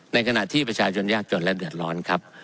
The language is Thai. ในขณะที่ประชาชนยากจนและเดือดร้อนครับ